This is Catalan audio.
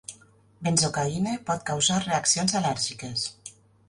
Benzocaine pot causar reaccions al·lèrgiques.